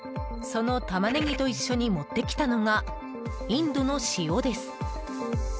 そのタマネギと一緒に持ってきたのがインドの塩です。